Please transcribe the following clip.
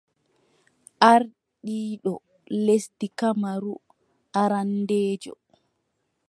Ardiiɗo lesdi Kamerun arandeejo.